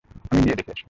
আমি গিয়ে দেখে আসি।